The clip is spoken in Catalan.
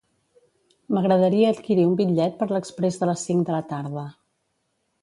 M'agradaria adquirir un bitllet per l'exprés de les cinc de la tarda.